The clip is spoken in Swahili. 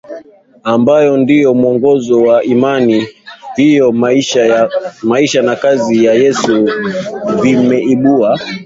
ambayo ndiyo mwongozo wa imani hiyo Maisha na kazi ya Yesu vimeibua